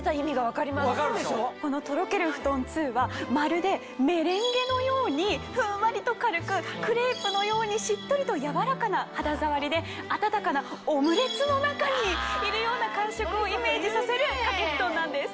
このとろけるふとん２はまるでメレンゲのようにふんわりと軽くクレープのようにしっとりとやわらかな肌触りで温かなオムレツの中にいるような感触をイメージさせる掛けふとんなんです。